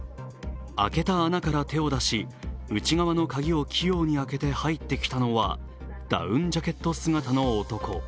開けた穴から手を出し、内側の鍵を器用に開けて入ってきたのはダウンジャケット姿の男。